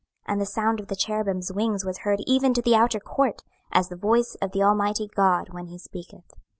26:010:005 And the sound of the cherubims' wings was heard even to the outer court, as the voice of the Almighty God when he speaketh.